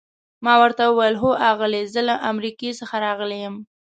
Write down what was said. ما ورته وویل: هو آغلې، زه له امریکا څخه راغلی یم.